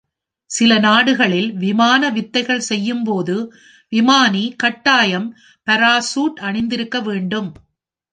சில நாடுகளில், விமான வித்தைகள் செய்யும்போது, விமானி கட்டாயம் பாராசூட் அணிந்திருக்க வேண்டும்.